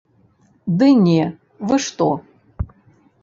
Ды не, вы што.